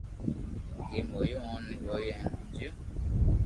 جيم ھوئو اوني جويو ھين ھمجيو